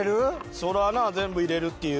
そりゃな全部入れるっていう。